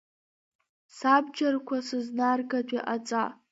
Сабџьарқәа сызнаргартә иҟаҵа!